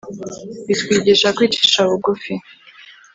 Bitwigisha kwicisha bugufi